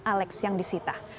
alex yang disita